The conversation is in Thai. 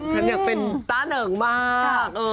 ฉันอยากเป็นต้าเหนิงมาก